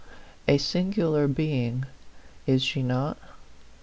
A singular being, is she not?